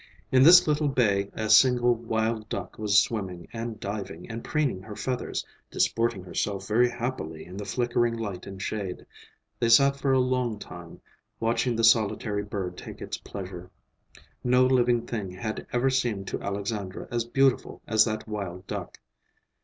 In this little bay a single wild duck was swimming and diving and preening her feathers, disporting herself very happily in the flickering light and shade. They sat for a long time, watching the solitary bird take its pleasure. No living thing had ever seemed to Alexandra as beautiful as that wild duck.